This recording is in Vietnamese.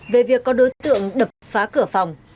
về việc có đối tượng đập phá cửa phòng